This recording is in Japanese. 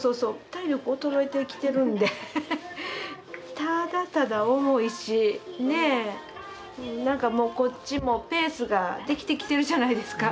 体力衰えてきてるんでただただ重いしねえなんかもうこっちもペースができてきてるじゃないですか。